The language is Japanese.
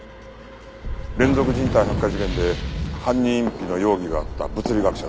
連続人体発火事件で犯人隠避の容疑があった物理学者だ。